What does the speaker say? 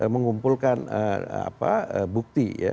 mengumpulkan bukti ya